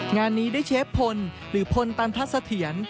งานนี้ได้เชฟพลหรือพลตันทัศเถียร